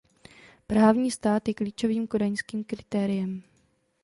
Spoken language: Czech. Právní stát je klíčovým kodaňským kritériem.